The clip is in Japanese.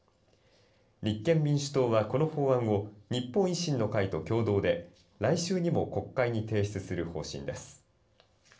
立憲民主党はこの法案を日本維新の会と共同で来週にも国会に提出する方針です。